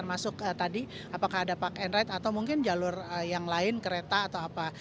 masuk tadi apakah ada park and ride atau mungkin jalur yang lain kereta atau apa